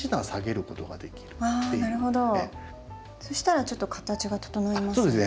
そしたらちょっと形が整いますね。